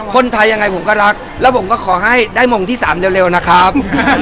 คนไทยยังไงผมก็รักแล้วผมก็ขอให้ได้มงที่๓เร็วนะครับ